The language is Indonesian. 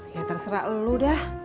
ya terserah lo dah